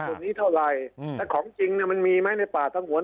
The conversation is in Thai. ส่วนนี้เท่าไหร่แต่ของจริงเนี่ยมันมีไหมในป่าทั้งหวน